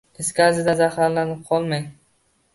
Is gazidan zaharlanib qolmang